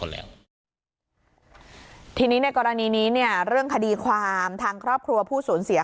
แล้วทีนี้ในกรณีนี้เนี่ยเรื่องคดีความทางครอบครัวผู้สูญเสีย